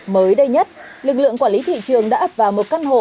mới đây nhất lực lượng quản lý thị trường đã ập vào một căn hộ